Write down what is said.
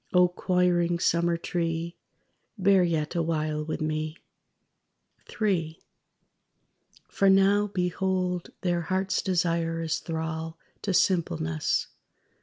(O choiring Summer tree, Bear yet awhile with me.) III For now, behold their heart's desire is thrall To simpleness.